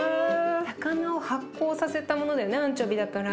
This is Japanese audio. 魚を発酵させたものだよねアンチョビだから。